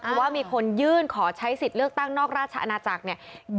เพราะว่ามีคนยื่นขอใช้สิทธิ์เลือกตั้งนอกราชอาณาจักรเนี่ย